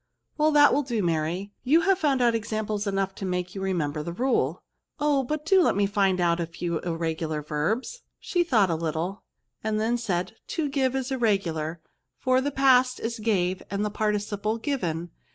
" Well, that will do, Mary ; you have found out examples enough to make you remember the rule." '' Oh ! but do let me find out a few irre gular verbs ? She thought a little, and then VERBS, S39 said, " To give is irregular ; for the past is gave^ and the participle given.